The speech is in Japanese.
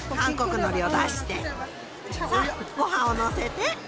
さあご飯をのせて。